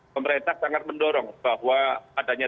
pemerintah sangat mendorong bahwa